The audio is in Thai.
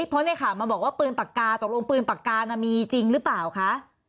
เพราะในข่าวมาบอกว่าปืนปากกาตกลงปืนปากกาน่ะมีจริงหรือเปล่าคะ